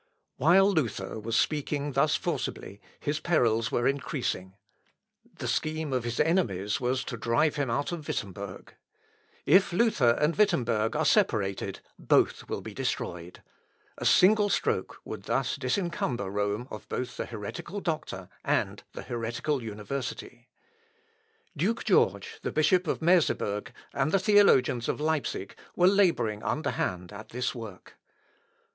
While Luther was speaking thus forcibly, his perils were increasing. The scheme of his enemies was to drive him out of Wittemberg. If Luther and Wittemberg are separated, both will be destroyed. A single stroke would thus disencumber Rome of both the heretical doctor and the heretical university. Duke George, the bishop of Merseburg, and the theologians of Leipsic were labouring underhand at this work.